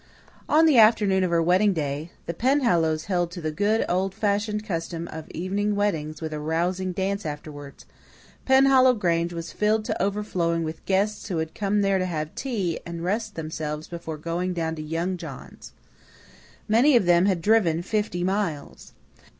On the afternoon of her wedding day the Penhallows held to the good, old fashioned custom of evening weddings with a rousing dance afterwards Penhallow Grange was filled to overflowing with guests who had come there to have tea and rest themselves before going down to "young" John's. Many of them had driven fifty miles.